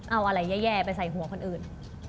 เอาอะไรแย่ไปใส่หัวคนอื่น